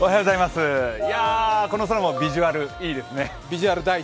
この空もビジュアル、いいですね。